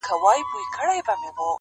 لاس یې مات وار یې خطا ګذار یې پوچ کړې,